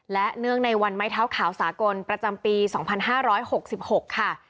และเนื่องในวันไม้เท้าขาวสากลประจำปี๒๕๖๖ค่ะ